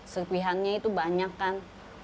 serpihannya itu banyak kan